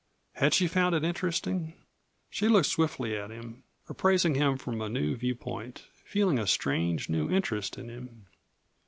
Had she found it interesting? She looked swiftly at him, appraising him from a new viewpoint, feeling a strange, new interest in him.